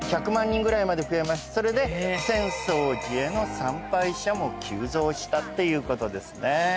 それで浅草寺への参拝者も急増したっていうことですね。